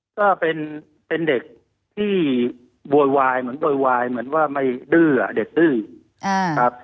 ก็เป็นเด็กที่โวยวายเหมือนโวยวายเหมือนว่าไม่ดื้อเด็กดื้อครับ